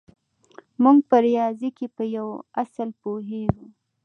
موږ په ریاضي کې په یوه اصل پوهېږو